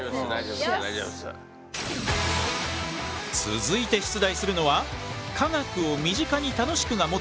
続いて出題するのは科学を身近に楽しくがモットー。